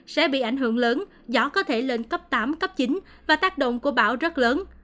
sẽ bị ảnh hưởng lớn gió có thể lên cấp tám cấp chín và tác động của bão rất lớn